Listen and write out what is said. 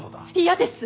嫌です！